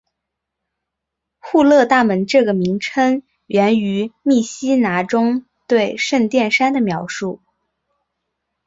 户勒大门这个名称源自于密西拿中对圣殿山的描述。